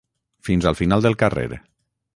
fins al final del carrer